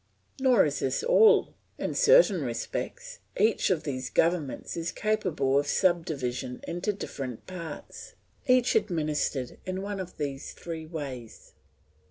Nor is this all. In certain respects each of these governments is capable of subdivision into different parts, each administered in one of these three ways.